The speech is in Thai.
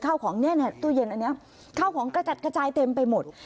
ข้าวของเนี่ยตู้เย็นอันนี้ข้าวของกระจัดกระจายเต็มไปหมด